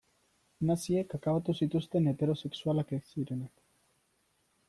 Naziek akabatu zituzten heterosexualak ez zirenak.